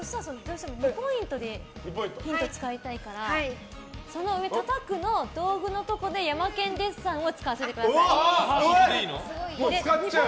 ２ポイントでヒント使いたいからたたくの道具のところでヤマケン・デッサンを使わせてください。